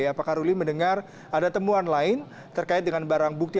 apakah ruli mendengar ada temuan lain terkait dengan barang bukti